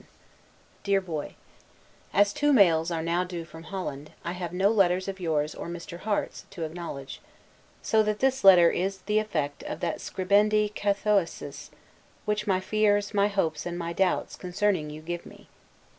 1747. DEAR Boy: As two mails are now due from Holland, I have no letters of yours, or Mr. Harte's to acknowledge; so that this letter is the effect of that 'scribendi cacoethes,' which my fears, my hopes, and my doubts, concerning you give me.